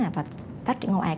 và phát triển ngầu ạc